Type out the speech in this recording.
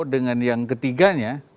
dengan yang ketiganya